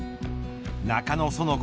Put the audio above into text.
中野園子